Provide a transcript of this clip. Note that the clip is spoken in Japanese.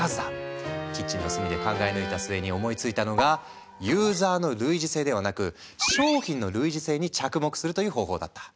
キッチンの隅で考え抜いた末に思いついたのがユーザーの類似性ではなく商品の類似性に着目するという方法だった。